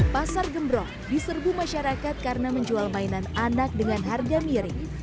pasar gembrok diserbu masyarakat karena menjual mainan anak dengan harga miring